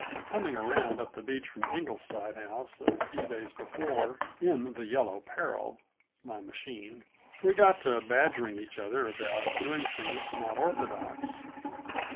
Coming around up the beach front Ingleside House a few days before, in the Yellow Peril my machine we got to badgering each other about doing things not orthodox.